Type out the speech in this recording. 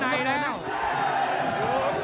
นี่แหละ